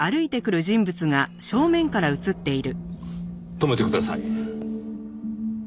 止めてください。